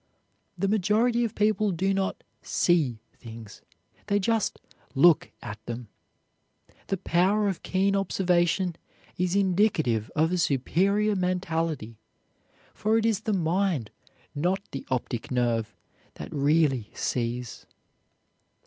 The majority of people do not see things; they just look at them. The power of keen observation is indicative of a superior mentality; for it is the mind, not the optic nerve, that really sees.